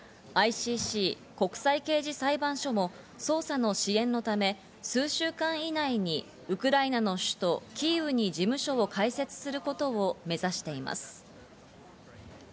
ＩＣＣ＝国際刑事裁判所も捜査の支援のため、数週間以内にウクライナの首都キーウに事務所を開設することを目指しています。